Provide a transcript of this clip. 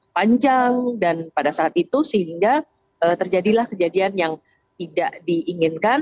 panjang dan pada saat itu sehingga terjadilah kejadian yang tidak diinginkan